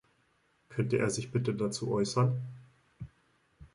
Könnte er sich bitte dazu äußern?